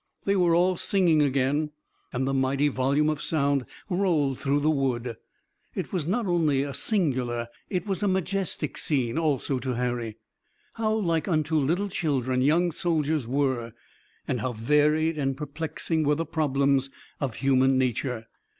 They were all singing again, and the mighty volume of sound rolled through the wood. It was not only a singular, it was a majestic scene also to Harry. How like unto little children young soldiers were! and how varied and perplexing were the problems of human nature!